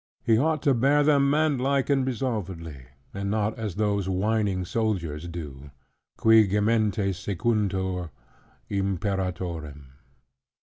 He ought to bear them manlike, and resolvedly; and not as those whining soldiers do, "qui gementes sequuntur imperatorem."